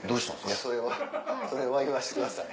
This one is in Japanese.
それはそれは言わしてください。